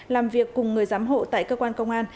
làm việc cùng người giám hộ tại cơ quan công an